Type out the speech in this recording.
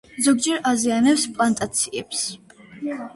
ზოგჯერ აზიანებენ პლანტაციებს.